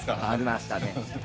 ありましたね。